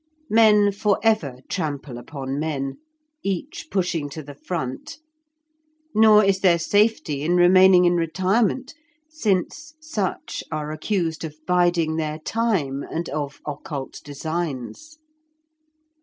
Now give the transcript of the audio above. Men for ever trample upon men, each pushing to the front; nor is there safety in remaining in retirement, since such are accused of biding their time and of occult designs.